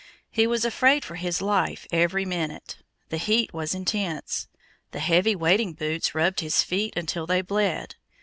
He was afraid for his life every minute. The heat was intense. The heavy wading boots rubbed his feet until they bled.